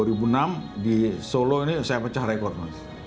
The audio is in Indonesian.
enam di solo ini saya pecah rekod mas